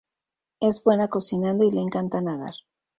Es buena cocinando y le encanta nadar.